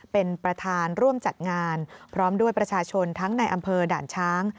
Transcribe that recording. เป็นประธานร่วมจัดงานพร้อมด้วยประชาชนทั้งในอำเภอด่านช้าง